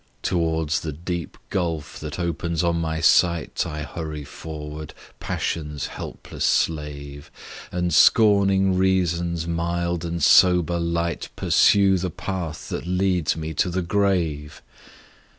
Tow'rds the deep gulf that opens on my sight I hurry forward, Passion's helpless slave! And scorning Reason's mild and sober light, Pursue the path that leads me to the grave!